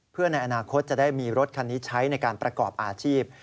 เพื่อในอนาคตจะได้มีรถคันนี้ใช้ในการประกอบอาชีพ